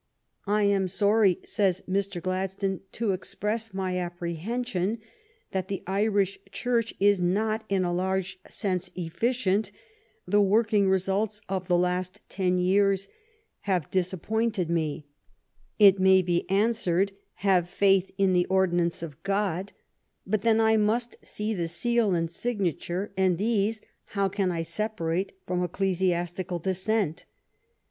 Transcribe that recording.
" I am sorry," says Mr. Gladstone, " to express my apprehension that the Irish Church is not in a large sense efficient; the working results of the last ten years have disappointed me. It may be answered. Have faith in the ordinance of THE FREE TRADE STRUGGLE 103 God ; but then I must see the seal and signature, and these how can I separate from ecclesiastical descent?